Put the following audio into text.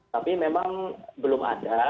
tapi memang belum ada